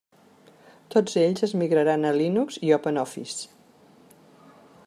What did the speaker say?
Tots ells es migraran a Linux i OpenOffice.